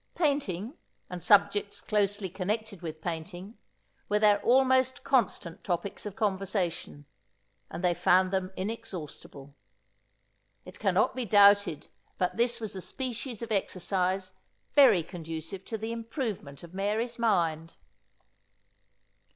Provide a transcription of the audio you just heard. Painting, and subjects closely connected with painting, were their almost constant topics of conversation; and they found them inexhaustible. It cannot be doubted, but that this was a species of exercise very conducive to the improvement of Mary's mind.